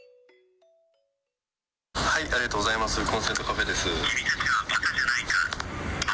はい、ありがとうございます、コンセントカフェです。